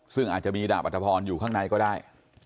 ซึ่งอาจจะมีดาบอัธพรอยู่ข้างในก็ได้